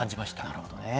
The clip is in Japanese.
なるほどね。